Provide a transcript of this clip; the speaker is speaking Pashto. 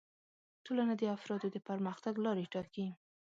ټولنه د افرادو د پرمختګ لارې ټاکي